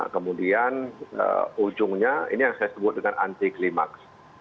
kemudian ujungnya ini yang saya sebut dengan anti klimaks